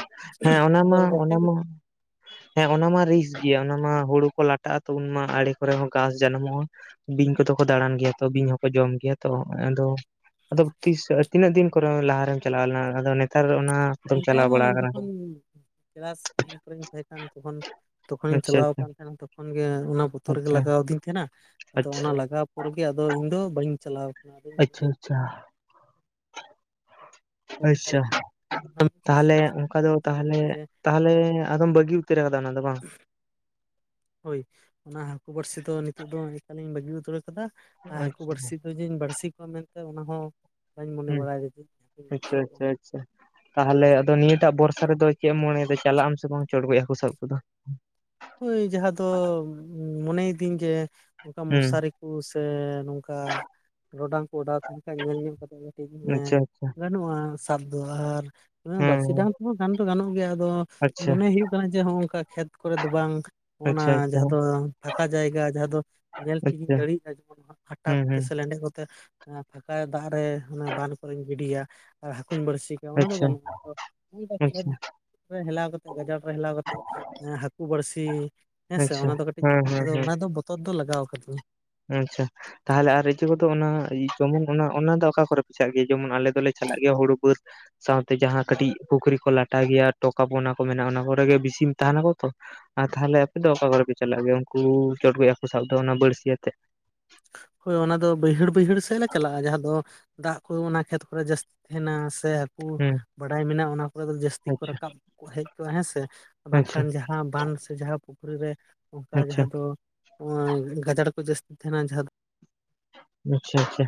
B: ᱦᱮᱸ ᱚᱱᱟ
A: ᱟᱫᱚ
B: ᱢᱟ
A: ᱨᱚᱴᱮ
B: ᱚᱱᱟ ᱢᱟ ᱦᱮᱸ ᱚᱱᱟ ᱢᱟ ᱨᱤᱠ ᱜᱮᱭᱟ ᱚᱱᱟ ᱢᱟ ᱦᱩᱲᱩ ᱠᱚ ᱞᱟᱴᱟᱜ-ᱟ ᱛᱚ ᱩᱱ ᱢᱟ ᱟᱲᱮ ᱠᱚᱨᱮ ᱦᱚᱸ ᱜᱷᱟᱥ ᱡᱟᱱᱟᱢᱚᱜ-ᱟ ᱵᱤᱧ ᱠᱚᱫᱚ ᱠᱚ ᱫᱟᱬᱟᱱ ᱜᱮᱭᱟ ᱛᱚ ᱵᱤᱧ ᱦᱚᱸᱠᱚ ᱡᱚᱢ ᱜᱮᱭᱟ ᱛᱚ ᱟᱫᱚ ᱟᱫᱚ ᱛᱤᱥ ᱛᱤᱱᱟᱹᱜ ᱫᱤᱱ ᱠᱚᱨᱮ ᱞᱟᱦᱟᱨᱮᱢ ᱪᱟᱞᱟᱣ ᱞᱮᱱᱟ? ᱟᱫᱚ ᱱᱮᱛᱟᱨ ᱚᱱᱟᱫᱚᱢ
A: ᱚᱱᱠᱟ
B: ᱪᱟᱞᱟᱣ ᱵᱟᱲᱟ ᱠᱟᱱᱟ
A: ᱡᱚᱠᱷᱚᱱ ᱠᱮᱞᱟᱥ ᱱᱟᱭᱤᱱ ᱠᱚᱨᱮᱧ ᱛᱟᱦᱮᱸ ᱠᱟᱱ ᱛᱚᱠᱷᱚᱱ᱾ ᱛᱚᱠᱷᱚᱱᱤᱧ
B: ᱥᱮ
A: ᱪᱟᱞᱟᱣ ᱠᱟᱱ
B: ᱵᱟᱝ?
A: ᱛᱟᱦᱮᱸᱱᱟ ᱛᱚᱠᱷᱚᱱ ᱜᱮ ᱚᱱᱟ ᱵᱚᱛᱚᱨ ᱜᱮ
B: ᱟᱪᱪᱷᱟ
A: ᱞᱟᱜᱟᱣ ᱟᱹᱫᱤᱧ ᱛᱟᱦᱮᱱᱟ᱾ ᱟᱫᱚ
B: ᱟᱪᱪᱷᱟ
A: ᱚᱱᱟ ᱞᱟᱜᱟᱣ ᱯᱚᱨᱮ ᱟᱫᱚ ᱤᱧ ᱫᱚ ᱵᱟᱹᱧ ᱪᱟᱞᱟᱣ ᱟᱠᱟᱱᱟ
B: ᱟᱪᱪᱷᱟ
A: ᱟᱫᱚᱧ
B: ᱟᱪᱪᱷᱟ ᱟᱪᱪᱷᱟ ᱛᱟᱦᱚᱞᱮ ᱚᱱᱠᱟ ᱫᱚ
A: ᱢᱚᱱᱮ
B: ᱛᱟᱦᱚᱞᱮ
A: ᱠᱟᱱᱟ ᱡᱮ
B: ᱛᱟᱦᱚᱞᱮ
A: ᱵᱟᱝ
B: ᱟᱫᱚᱢ ᱵᱟᱹᱜᱤ ᱩᱛᱟᱹᱨ ᱠᱟᱫᱟ ᱚᱱᱟ ᱫᱚ ᱵᱟᱝ
A: ᱦᱳᱭ ᱚᱱᱟ ᱦᱟᱹᱠᱩ ᱵᱟᱹᱲᱥᱤ ᱫᱚ ᱱᱤᱛᱚᱜ ᱫᱚ ᱮᱠᱟᱞᱤᱧ ᱵᱟᱹᱜᱤ ᱩᱛᱟᱹᱨ ᱠᱟᱫᱟ᱾ ᱟᱨ ᱦᱟᱠᱩ
B: ᱟᱪᱪᱷᱟ
A: ᱵᱟᱹᱲᱥᱤ ᱫᱚ ᱡᱮᱧ ᱵᱟᱹᱲᱥᱤ ᱠᱚᱣᱟ ᱢᱮᱱᱛᱮ ᱚᱱᱟ ᱦᱚᱸ ᱵᱟᱹᱧ ᱢᱚᱱᱮ
B: ᱦᱩᱸ
A: ᱵᱟᱲᱟᱭᱮᱫᱟ ᱡᱮ ᱤᱧ ᱦᱟᱠᱩᱧ
B: ᱟᱪᱪᱷᱟ
A: ᱵᱟᱹᱲᱥᱤ ᱠᱚᱣᱟ᱾
B: ᱟᱪᱪᱷᱟ ᱛᱟᱦᱚᱞᱮ ᱟᱫᱚ ᱱᱤᱭᱟᱹᱴᱟᱜ ᱵᱚᱨᱥᱟ ᱨᱮᱫᱚ ᱪᱮᱫ ᱢᱚᱱᱮ ᱫᱚ ᱪᱟᱞᱟᱜ ᱟᱢ ᱥᱮ ᱵᱟᱝ ᱪᱚᱰᱜᱚᱡ ᱦᱟᱹᱠᱩ ᱥᱟᱵ ᱠᱚᱫᱚ᱾
A: ᱦᱳᱭ ᱡᱟᱦᱟᱸ ᱫᱚ ᱢᱚᱱᱮᱭ ᱫᱟᱹᱧ ᱡᱮ ᱱᱚᱝᱠᱟ
B: ᱦᱩᱸ
A: ᱢᱚᱥᱟᱨᱤ ᱠᱚ ᱥᱮ ᱱᱚᱝᱠᱟ ᱴᱚᱨᱚᱰᱟᱝ ᱠᱚ ᱚᱰᱟᱣ ᱛᱟᱦᱮᱱ ᱠᱷᱟᱡ ᱧᱮᱞ ᱧᱮᱞ ᱠᱟᱛᱮ ᱠᱟᱹᱴᱤᱡ
B: ᱟᱪᱪᱷᱟ ᱟᱪᱪᱷᱟ
A: <unintelligible> ᱜᱟᱱᱚᱜ-ᱟ ᱥᱟᱵ ᱫᱚ, ᱟᱨ ᱵᱟᱨᱥᱤ
B: ᱦᱮᱸ
A: ᱰᱟᱝ ᱠᱚᱦᱚ ᱜᱟᱱ ᱫᱚ ᱜᱟᱱᱚᱜ ᱜᱮᱭᱟ ᱟᱫᱚ
B: ᱟᱪᱪᱷᱟ
A: ᱢᱚᱱᱮ ᱦᱩᱭᱩᱜ ᱠᱟᱱᱟ ᱠᱟᱱᱟ ᱡᱮ ᱦᱚᱸ-ᱚ ᱱᱚᱝᱠᱟ ᱠᱷᱮᱛ ᱠᱚᱨᱮ ᱫᱚ ᱵᱟᱝ᱾ ᱚᱱᱟ
B: ᱟᱪᱪᱷᱟ ᱟᱪᱪᱷᱟ
A: ᱡᱟᱦᱟᱸ ᱫᱚ ᱯᱷᱟᱠᱟ ᱡᱟᱭᱜᱟ ᱡᱟᱦᱟᱸ ᱫᱚ ᱧᱮᱞ ᱴᱷᱤᱠᱤᱧ
B: ᱟᱪᱪᱷᱟ
A: ᱫᱟᱲᱮᱭᱟᱜ-ᱟ᱾ ᱡᱮᱢᱚᱱ ᱦᱟᱴᱟ
B: ᱦᱩᱸ
A: ᱠᱚᱛᱮ
B: ᱦᱩᱸ
A: ᱥᱮ ᱞᱮᱱᱰᱮᱡ ᱯᱷᱟᱸᱠᱟ ᱫᱟᱜ ᱨᱮ ᱵᱟᱸᱫ ᱠᱚᱨᱮᱧ ᱜᱤᱰᱤᱭᱟ ᱟᱨ ᱦᱟᱹᱠᱩᱧ ᱵᱟᱹᱲᱥᱤ ᱚᱱᱟ ᱫᱚ
B: ᱟᱪᱪᱷᱟ
A: ᱜᱟᱱᱚᱜ-ᱟ᱾ ᱟᱫᱚ ᱚᱝᱠᱟ ᱠᱷᱮᱛ
B: ᱟᱪᱪᱷᱟ
A: ᱨᱮ ᱦᱮᱞᱟᱣ ᱠᱟᱛᱮ ᱜᱟᱡᱟᱲ ᱨᱮ ᱦᱮᱞᱟᱣ ᱠᱟᱛᱮ ᱦᱟ ᱠᱩ ᱵᱟᱹᱲᱥᱤ ᱦᱮᱸ ᱥᱮ
B: ᱟᱪᱪᱷᱟ
A: ᱚᱱᱟ ᱫᱚ ᱠᱟᱹᱴᱤᱡ
B: ᱦᱮᱸ ᱦᱮᱸ
A: ᱟᱫᱚ
B: ᱦᱮᱸ
A: ᱚᱱᱟ ᱫᱚ ᱵᱚᱛᱚᱨ ᱫᱚ ᱞᱟᱜᱟᱣ ᱠᱟᱹᱫᱤᱧᱟᱹ᱾
B: ᱟᱪᱪᱷᱟ ᱛᱟᱦᱚᱞᱮ ᱟᱨ ᱨᱚᱪᱩ ᱠᱚᱫᱚ ᱚᱱᱟ ᱡᱮᱢᱚᱱ ᱚᱱᱟ ᱚᱱᱟ ᱫᱚ ᱚᱠᱟ ᱠᱚᱨᱮ ᱯᱮᱪᱟᱜ ᱜᱮᱭᱟ ᱡᱮᱢᱚᱱ ᱟᱞᱮ ᱫᱚᱞᱮ ᱪᱟᱞᱟᱜ ᱜᱮᱭᱟ ᱦᱩᱲᱩ ᱵᱟᱹᱫᱽ᱾ ᱥᱟᱶᱛᱮ ᱡᱟᱦᱟᱸ ᱠᱟᱹᱴᱤᱡ ᱯᱩᱠᱷᱨᱤ ᱠᱚ ᱞᱟᱴᱟ ᱜᱮᱭᱟ ᱴᱚᱠᱟᱯ ᱚᱱᱟ ᱠᱚ ᱢᱮᱱᱟᱜ-ᱟ ᱚᱱᱟ ᱠᱚᱨᱮᱜ ᱵᱤᱥᱤᱢ ᱛᱟᱦᱮᱱᱟᱠᱚ ᱛᱚ᱾ ᱟᱨ ᱛᱟᱦᱚᱞᱮ ᱟᱯᱮ ᱫᱚ ᱚᱠᱟ ᱠᱚᱨᱮ ᱯᱮ ᱪᱟᱞᱟᱜ ᱜᱮᱭᱟ ᱩᱱᱠᱩ ᱪᱚᱴᱜᱚᱡ ᱦᱟᱹᱠᱩ ᱥᱟᱵ ᱫᱚ ᱚᱱᱟ ᱵᱟᱹᱲᱥᱤᱭᱟᱛᱮᱫ?
A: ᱦᱳᱭ ᱚᱱᱟ ᱫᱚ ᱵᱟᱹᱭᱦᱟᱹᱲ ᱵᱟᱹᱭᱦᱟᱹᱲ ᱥᱮᱫ ᱞᱮ ᱪᱟᱞᱟᱜ-ᱟ ᱡᱟᱦᱟᱸ ᱫᱚ ᱫᱟᱜ ᱠᱚ ᱚᱱᱟ ᱠᱷᱮᱛ ᱠᱚᱨᱮ ᱡᱟᱹᱥᱛᱤ ᱛᱟᱦᱮᱱᱟ ᱥᱮ ᱦᱟᱠᱩ
B: ᱦᱩᱸ
A: ᱵᱟᱰᱟᱭ ᱢᱮᱱᱟᱜ-ᱟ ᱚᱱᱟ ᱠᱚᱨᱮ ᱫᱚ ᱡᱟᱹᱥᱛᱤ ᱠᱚ
B: ᱟᱪᱪᱷᱟ
A: ᱨᱟᱠᱟᱵ ᱦᱮᱡ ᱠᱚᱜ-ᱟ ᱦᱮᱸ ᱥᱮ
B: ᱟᱪᱪᱷᱟ
A: ᱵᱟᱝᱠᱷᱟᱱ ᱡᱟᱦᱟᱸ ᱵᱟᱸᱫᱷ ᱥᱮ ᱡᱟᱦᱟᱸ ᱯᱩᱠᱷᱨᱤ ᱨᱮ ᱚᱱᱠᱟ
B: ᱟᱪᱪᱷᱟ ᱟᱪᱪᱷᱟ
A: ᱡᱟᱦᱟᱸ ᱫᱚ ᱜᱟᱡᱟᱲ ᱠᱚ ᱡᱟᱹᱥᱛᱤ ᱛᱟᱦᱮᱱᱟ ᱡᱟᱦᱟᱸ
B: ᱟᱪᱷᱟ-ᱟᱪᱷᱟ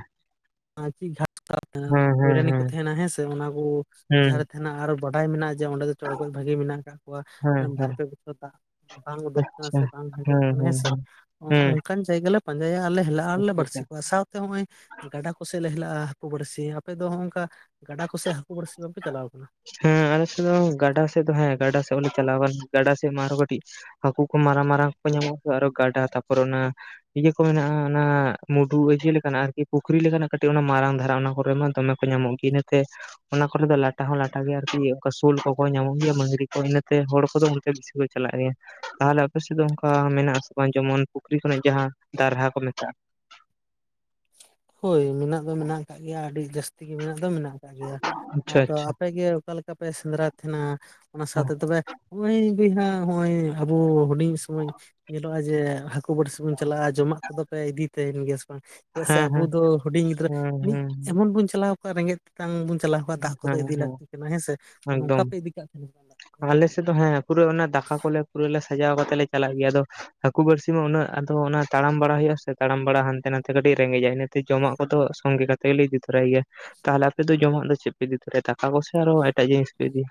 A: ᱯᱚᱭᱨᱟᱱᱤ ᱠᱚ ᱛᱟᱦᱮᱱᱟ ᱦᱮᱸᱥᱮ ᱚᱱᱟ ᱠᱚ ᱡᱷᱟᱲ ᱛᱟᱦᱮᱱᱟ ᱟᱨᱚ ᱵᱟᱰᱟᱭ ᱢᱮᱱᱟᱜᱼᱟ ᱡᱮ ᱚᱸᱰᱮ ᱫᱚ ᱪᱚᱲᱠᱚᱡ ᱵᱷᱟᱹᱜᱤ ᱢᱮᱱᱟᱜ ᱠᱟᱫ ᱠᱚᱣᱟ᱾ ᱵᱟᱨ ᱯᱮ ᱵᱚᱪᱷᱚᱨ ᱫᱟᱜ ᱵᱟᱝ ᱩᱰᱩᱠ ᱟᱠᱟᱱᱟ ᱥᱮ ᱵᱟᱝ ᱦᱟᱸᱡᱮᱜ ᱟᱠᱟᱱᱟ ᱦᱮᱸᱥᱮ ᱚᱱᱠᱟᱱ ᱡᱟᱭᱜᱟ ᱞᱮ, ᱯᱟᱸᱡᱟᱭᱟ ᱟᱨᱞᱮ ᱦᱮᱞᱟᱜᱼᱟ ᱟᱨᱞᱮ ᱵᱟᱹᱲᱥᱤ ᱠᱚᱣᱟ ᱾ ᱥᱟᱶᱛᱮ ᱱᱚᱼᱚᱭ ᱜᱟᱰᱟ ᱠᱚ ᱠᱚᱥᱮᱫ ᱞᱮ ᱦᱮᱞᱟᱜᱼᱟ ᱦᱟᱹᱠᱩ ᱵᱟᱹᱲᱥᱤ᱾ ᱟᱯᱮ ᱫᱚ ᱱᱚᱜ ᱱᱚᱝᱠᱟ ᱜᱟᱰᱟ ᱠᱚᱥᱮ ᱦᱟᱹᱠᱩ ᱵᱟᱹᱲᱥᱤ ᱵᱟᱝᱯᱮ ᱪᱟᱞᱟᱣ ᱟᱠᱟᱱᱟ?
B: ᱦᱮᱸ ᱟᱞᱮ ᱥᱮᱫ ᱫᱚ ᱜᱟᱰᱟ ᱥᱮᱫ ᱫᱚ ᱦᱮᱸ ᱜᱟᱰᱟ ᱥᱮᱫ ᱵᱚᱞᱮ ᱪᱟᱞᱟᱣ ᱟᱠᱟᱱᱟ ᱜᱟᱰᱟ ᱥᱮᱫ ᱢᱟ ᱟᱨᱚ ᱠᱟᱹᱴᱤᱡ ᱦᱟᱹᱠᱩ ᱠᱚ ᱢᱟᱨᱟᱝ-ᱢᱟᱨᱟᱝ ᱠᱚ ᱧᱟᱢᱚᱜᱼᱟ, ᱟᱨᱚ ᱜᱟᱰᱟ ᱛᱟᱨᱯᱚᱨ ᱚᱱᱟ ᱤᱭᱟᱹ ᱠᱚ ᱢᱮᱱᱟᱜᱼᱟ ᱚᱱᱟ ᱢᱩᱰᱩ ᱤᱭᱟᱹ ᱞᱮᱠᱟᱱᱟᱜ ᱟᱨᱠᱤ ᱯᱩᱠᱷᱨᱤ ᱞᱮᱠᱟᱱᱟᱜ ᱠᱟᱹᱴᱤᱡ ᱚᱱᱟ ᱢᱟᱨᱟᱝ ᱫᱷᱟᱨᱟ ᱚᱱᱟ ᱠᱚᱨᱮ ᱢᱟ ᱫᱚᱢᱮ ᱠᱚ ᱧᱟᱢᱚᱜ ᱜᱮᱭᱟ᱾ ᱤᱱᱟᱹᱛᱮ ᱚᱱᱟ ᱠᱚᱨᱮ ᱫᱚ ᱞᱟᱴ... ᱛᱟᱹᱦᱩᱸ ᱞᱟᱴᱟ ᱜᱮᱭᱟ ᱟᱨᱠᱤ ᱚᱱᱠᱟ ᱥᱳᱞ ᱠᱚᱠᱚ ᱧᱟᱢᱚᱜ ᱜᱮᱭᱟ ᱢᱟᱹᱜᱽᱨᱤ ᱠᱚ ᱤᱱᱟᱹᱛᱮ ᱦᱚᱲ ᱠᱚᱫᱚ ᱚᱱᱛᱮ ᱵᱤᱥᱤ ᱠᱚ ᱪᱟᱞᱟᱜ ᱜᱮᱭᱟ᱾ ᱟᱨ ᱟᱯᱮ ᱥᱮᱫ ᱫᱚ ᱚᱱᱠᱟ ᱢᱮᱱᱟᱜ ᱟᱥᱮ ᱵᱟᱝ ᱡᱮᱢᱚᱱ ᱯᱩᱠᱷᱨᱤ ᱠᱷᱚᱱᱟᱜ ᱡᱟᱦᱟᱸ ᱫᱟᱨᱦᱟ ᱠᱚ ᱢᱮᱛᱟᱜᱼᱟ ᱾
A: ᱦᱳᱭ ᱢᱮᱱᱟᱜ ᱫᱚ ᱢᱮᱱᱟᱜ ᱟᱠᱟᱫ ᱜᱮᱭᱟ ᱟᱹᱰᱤ ᱡᱟᱹᱥᱛᱤ ᱜᱮ ᱢᱮᱱᱟᱜ ᱫᱚ ᱢᱮᱱᱟᱜᱼ ᱟ ᱾ ᱜᱮᱭᱟ
B: ᱟᱪᱪᱷᱟ,
A: ᱟᱫᱚ
B: ᱟᱪᱪᱷᱟ᱾
A: ᱟᱯᱮᱜᱮ ᱚᱠᱟ ᱞᱮᱠᱟ ᱯᱮ ᱥᱮᱸᱫᱽᱨᱟᱭᱮᱫ ᱛᱟᱦᱮᱱᱟ ᱚᱱᱟ ᱥᱟᱶᱛᱮ ᱛᱚᱵᱮ..... ᱾ ᱱᱚᱜᱼᱚᱭ ᱜᱮ ᱦᱟᱸᱜ ᱦᱚᱸᱜᱼᱚᱭ ᱟᱵᱚ ᱦᱩᱰᱤᱧ ᱥᱚᱢᱚᱭ ᱧᱮᱞᱚᱜᱼᱟ ᱡᱮ.......... ᱾ ᱦᱟᱹᱠᱩ ᱵᱟᱹᱲᱥᱤ ᱵᱚᱱ ᱪᱟᱞᱟᱜᱼᱟ ᱡᱚᱢᱟᱜ ᱠᱚᱫᱚᱯᱮ ᱤᱫᱤᱭ ᱛᱟᱦᱮᱱ ᱜᱮᱭᱟᱥᱮ ᱵᱟᱝ ᱥᱮ...... ᱾ ᱥᱮ
B: ᱦᱮᱸ ᱦᱮᱸ
A: ᱟᱵᱚ ᱫᱚ ᱦᱩᱰᱤᱧ ᱜᱤᱫᱽᱨᱟᱹ, ᱢᱤᱫ
B: ᱦᱮᱸ
A: ᱮᱢᱚᱱ ᱵᱚᱱ ᱪᱟᱞᱟᱣ ᱠᱚᱜᱼᱟ, ᱨᱮᱸᱜᱮᱡ ᱛᱮᱛᱟᱝ ᱵᱚᱱ ᱪᱟᱞᱟᱣ.... ᱾ ᱫᱟᱜ
B: ᱦᱮᱸ
A: ᱠᱚᱫᱚ
B: ᱦᱮᱸ
A: ᱤᱫᱤ ᱞᱟᱹᱠᱛᱤ
B: ᱦᱮᱸ
A: ᱠᱟᱱᱟ, ᱦᱮᱸᱥᱮ, ᱛᱚ ᱱᱚᱝᱠᱟ ᱯᱮ ᱤᱫᱤ ᱠᱟᱜ ᱛᱟᱦᱮ..... ᱾
B: ᱟᱞᱮᱥᱮᱫ ᱫᱚ ᱦᱮᱸ ᱯᱩᱨᱟᱹ ᱚᱱᱟ ᱫᱟᱠᱟ ᱠᱚᱞᱮ ᱯᱩᱨᱟᱹ ᱞᱮ ᱥᱟᱡᱟᱣ ᱠᱟᱛᱮ ᱞᱮ ᱪᱟᱞᱟᱜ ᱜᱮᱭᱟ, ᱟᱫᱚ..... ᱾ ᱦᱟᱹᱠᱩ ᱵᱟᱹᱲᱥᱤ ᱢᱟ ᱩᱱᱟᱹᱜ ᱟᱫᱚ ᱚᱱᱟ ᱛᱟᱲᱟᱢ ᱵᱟᱲᱟ ᱦᱩᱭᱩᱜᱼᱟ ᱥᱮ ᱛᱟᱲᱟᱢ ᱵᱟᱲᱟ ᱦᱟᱱᱛᱮ ᱱᱟᱛᱮ ᱟᱹᱰᱤ ᱨᱮᱸᱜᱮᱡᱼᱟ ᱤᱱᱟ....... ᱾ ᱛᱮ ᱡᱚᱢᱟᱜ ᱠᱚᱫᱚ ᱥᱚᱸᱜᱮ ᱠᱟᱛᱮ ᱜᱮᱞᱮ ᱤᱫᱤ ᱛᱚᱨᱟᱭ ᱜᱮᱭᱟ ᱛᱟᱦᱚᱞᱮ ᱟᱯᱮ ᱫᱚ ᱡᱚᱢᱟᱜ ᱫᱚ..... ᱾ ᱪᱮᱫ ᱯᱮ ᱤᱫᱤ ᱛᱚᱨᱟᱭᱟ ᱫᱟᱠᱟ ᱠᱚᱥᱮ ᱟᱨᱦᱚᱸ ᱮᱴᱟᱜ ᱡᱤᱱᱤᱥ ᱯᱮ ᱤᱫᱤᱭᱟ?